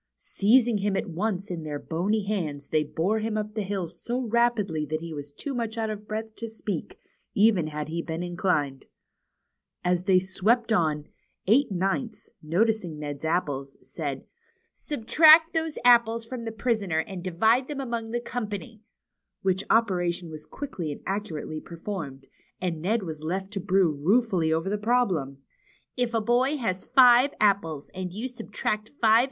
Seizing him at once in their bony hands they bore him up the hill so rapidly that he was too much out of breath to speak, even had he been inclined. As they swept on, Eight Ninths, noticing Ned's apples, said : Subtract those apples from the prisoner and divide them among the company," which operation was quickly and accurately performed, and Ned was left to brew ruefully over the problem : If a boy has five apples, and you subtract five 72 THE CHILDREN'S WONDER BOOK.